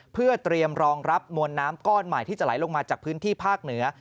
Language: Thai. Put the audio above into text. เพื่อเตรียมรองรับมวลน้ำก้อนใหม่ที่จะไหลลงมาจากพื้นที่ภาคเหนือ